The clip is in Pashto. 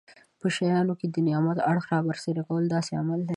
په شیانو کې د نعمت اړخ رابرسېره کول داسې عمل دی.